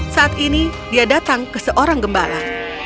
saat ini dia datang ke seorang gembala